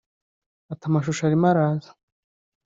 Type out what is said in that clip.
Ati “Amashusho arimo araza